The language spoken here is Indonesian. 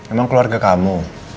emang keluarga kamu